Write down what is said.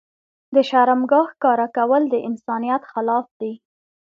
د شرمګاه ښکاره کول د انسانيت خلاف دي.